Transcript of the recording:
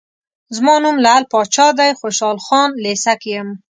زما نوم لعل پاچا دی، خوشحال خان لېسه کې یم.